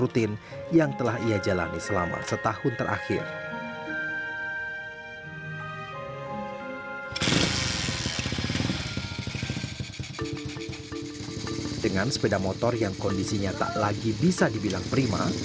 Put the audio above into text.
dengan sepeda motor yang kondisinya tak lagi bisa dibilang prima